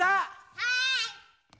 はい！